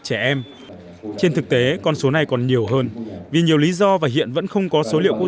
trẻ em trên thực tế con số này còn nhiều hơn vì nhiều lý do và hiện vẫn không có số liệu